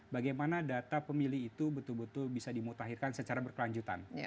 bagaimana data pemilih itu betul betul bisa dimutahirkan secara berkelanjutan